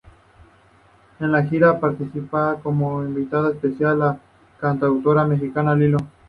En la gira participará como invitada especial la cantautora mexicana Lilo.